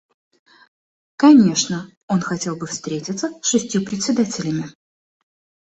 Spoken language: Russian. Конечно, он хотел бы встретиться с шестью председателями.